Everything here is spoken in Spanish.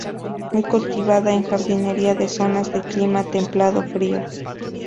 Muy cultivada en jardinería de zonas de clima templado frío.